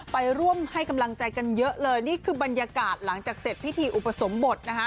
ไปร่วมให้กำลังใจกันเยอะเลยนี่คือบรรยากาศหลังจากเสร็จพิธีอุปสมบทนะคะ